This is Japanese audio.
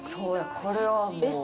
これはもう。